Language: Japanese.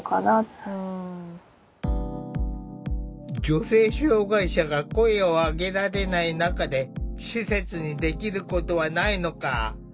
女性障害者が声を上げられない中で施設にできることはないのか？